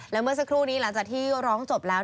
และเมื่อสักครู่นี้หลังจากที่ร้องจบแล้ว